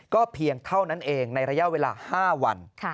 เพียงเท่านั้นเองในระยะเวลา๕วัน